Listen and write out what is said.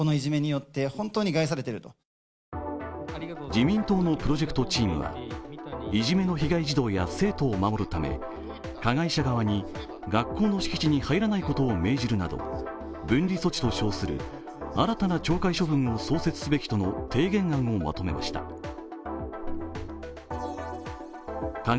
自民党のプロジェクトチームはいじめの被害児童や生徒を守るため加害者側に学校の敷地に入らないことを命じるなど分離措置と称する新たな懲戒処分を創設すべきとの提言案をまとめました。